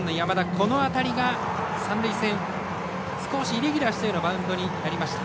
この当たりが三塁線、少しイレギュラーしたようなバウンドになりました。